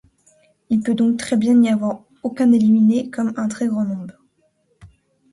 Il peut donc très bien n'y avoir aucun éliminé comme un très grand nombre.